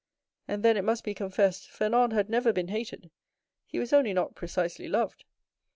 And then, it must be confessed, Fernand had never been hated—he was only not precisely loved.